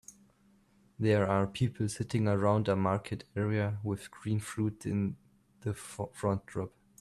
There are people sitting around a market area with green fruit in the front drop.